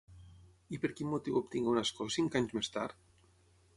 I per quin motiu obtingué un escó cinc anys més tard?